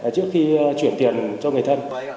trước khi chuyển tiền cho người thân